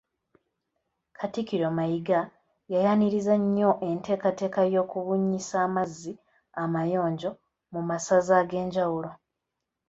Katikkiro Mayiga yayanirizza nnyo enteekateeka y'okubunyisa amazzi amayonjo mu masaza ag'enjawulo.